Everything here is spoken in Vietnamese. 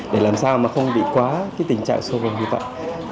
để làm sao mà không bị quá cái tình trạng sâu vầng như vậy